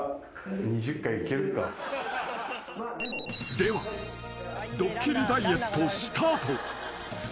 ［ではドッキリダイエットスタート］